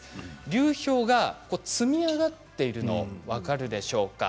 流氷が積み上がっているのが分かるでしょうか。